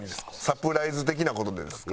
サプライズ的な事でですか？